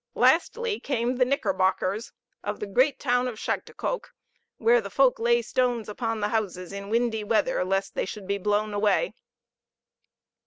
Lastly came the Knickerbockers, of the great town of Schaghtikoke, where the folk lay stones upon the houses in windy weather, lest they should be blown away.